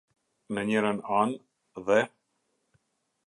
Në njërën anë, dhe.